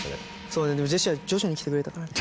そうねでもジェシーは徐々に来てくれたからね。